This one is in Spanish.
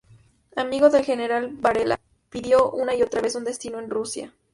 Amigo del general Varela, pidió una y otra vez un destino en Rusia.